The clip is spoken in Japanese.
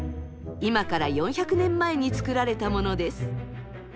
今から４００年前に作られたものです。